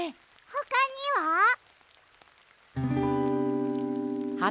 ほかには？